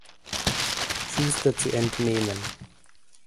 Schuster zu entnehmen.